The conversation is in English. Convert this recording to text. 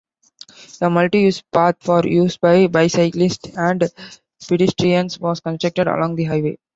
A multi-use path for use by bicyclists and pedestrians was constructed along the highway.